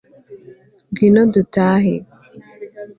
ngwino dutahe